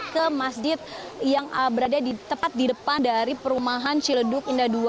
ke masjid yang berada tepat di depan dari perumahan ciledug indah dua